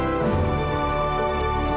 aku harus ke belakang